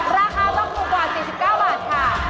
ราคาต้องถูกกว่า๔๙บาทค่ะ